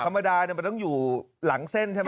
ธรรมดามันต้องอยู่หลังเส้นใช่ไหม